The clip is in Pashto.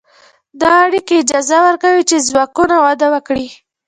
دا اړیکې اجازه ورکوي چې ځواکونه وده وکړي.